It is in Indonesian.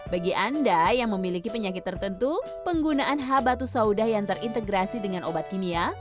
bagi anda yang memiliki penyakit tertentu penggunaan habatus sauda yang terintegrasi dengan obat kimia